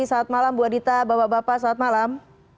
selamat malam bu adita bapak bapak selamat malam